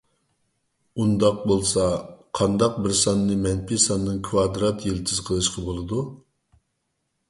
ئۇنداق بولسا، قانداق بىر ساننى مەنپىي ساننىڭ كىۋادرات يىلتىزى قىلىشقا بولىدۇ؟